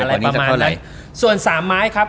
อะไรประมาณได้